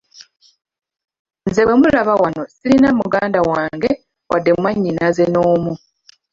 Nze gwe mulaba wano sirina muganda wange wadde mwannyinaze n’omu.